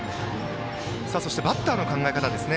そしてバッターの考え方ですね